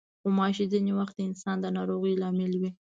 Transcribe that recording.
غوماشې ځینې وخت د انسان د ناروغۍ لامل وي.